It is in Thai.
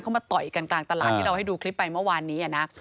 มาต่อยกันกลางตลาดที่เราให้ดูคลิปไปเมื่อวานนี้นะ